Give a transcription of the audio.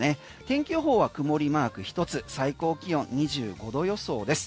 天気予報は曇りマーク一つ最高気温２５度予想です。